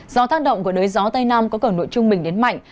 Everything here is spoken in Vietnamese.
gió thác động của đới gió tây nam có cẩn độ trung bình đến mạnh